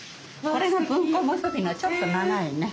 これが文庫結びのちょっと長いね。